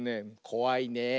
こわいねえ。